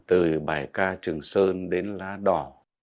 từ bài ca trường sơn đến lá đỏ